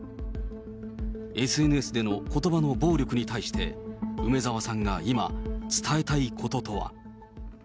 ＳＮＳでのことばの暴力に対し、梅澤さんが今、伝えたいこととは。